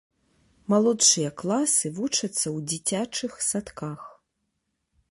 Малодшыя класы вучацца ў дзіцячых садках.